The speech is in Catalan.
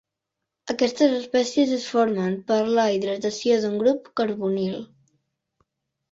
Aquestes espècies es formen per la hidratació d'un grup carbonil.